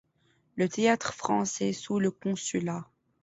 Le Théâtre-Français sous le Consulat.